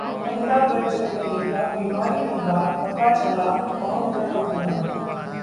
अमिताभ बच्चन ने लिखा, बीमारी के बाद पता चला कौन है अपना